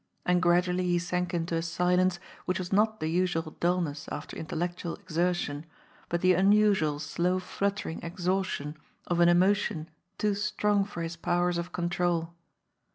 And gradually he sank into a silence which was not the usual dulness after intellectual exertion, but the unusual slow fluttering exhaustion of an emotion too strong for his powers of control.